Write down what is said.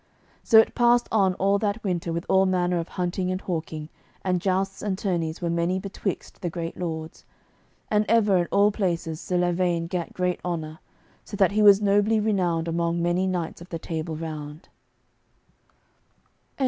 So it passed on all that winter with all manner of hunting and hawking, and jousts and tourneys were many betwixt the great lords; and ever in all places Sir Lavaine gat great honour, so that he was nobly renowned among many knights of the Table Round.